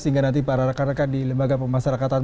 sehingga nanti para rekan rekan di lembaga pemasarakatan